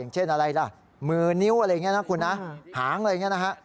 เช่นอะไรล่ะมือนิ้วหางอะไรอย่างนี้นะครับ